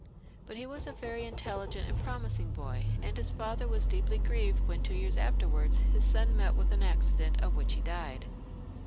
But he was a very intelligent and promising boy, and his father was deeply grieved when two years afterwards his son met with an accident of which he died.